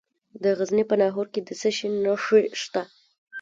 د غزني په ناهور کې د څه شي نښې شته؟